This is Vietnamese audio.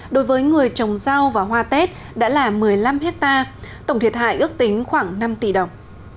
đối với người trồng rau và hoa tết đã là một mươi năm hectare tổng thiệt hại ước tính khoảng năm tỷ đồng